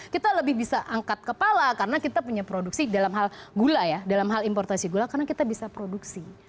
kita lebih bisa angkat kepala karena kita punya produksi dalam hal gula ya dalam hal importasi gula karena kita bisa produksi